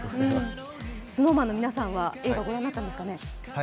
ＳｎｏｗＭａｎの皆さんは映画ご覧になったんですかね？